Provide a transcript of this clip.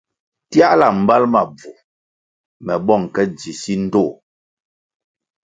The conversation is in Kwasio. Tiahla mbal ma bvu me bong ke dzi si ndtoh.